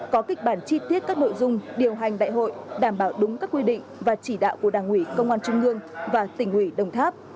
có kịch bản chi tiết các nội dung điều hành đại hội đảm bảo đúng các quy định và chỉ đạo của đảng ủy công an trung ương và tỉnh ủy đồng tháp